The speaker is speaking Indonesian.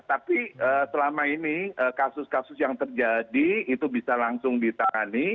tapi selama ini kasus kasus yang terjadi itu bisa langsung ditangani